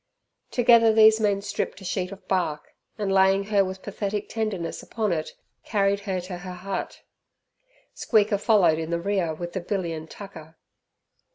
Together these men stripped a sheet of bark, and laying her with pathetic tenderness upon it, carried her to her hut. Squeaker followed in the rear with the billy and tucker.